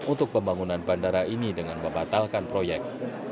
untuk pembangunan bandara ini dengan membatalkan proyek